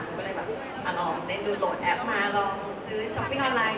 ก็เลยแบบมาลองเล่นดูโหลดแอปมาลองซื้อช้อปปิ้งออนไลน์